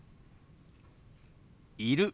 「いる」。